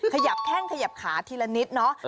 ขยับแข้งขยับขาทีละนิดเนอะ